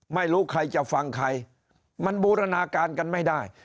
ไม่รู้ใครจะฟังใครมันบูรณาการกันไม่ได้